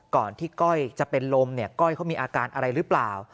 ก่อนที่ก้อยจะเป็นลมเนี่ยก้อยเขามีอาการอะไรหรือเปล่า